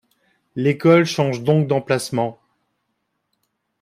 L'école change donc d'emplacement...